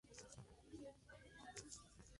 Tallo erecto, con muchas hojas opuestas en cruz.